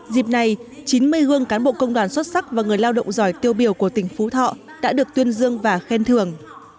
dịp này chín mươi gương cán bộ công đoàn xuất sắc và người lao động giỏi tiêu biểu của tỉnh phú thọ đã được tuyên dương và khen thưởng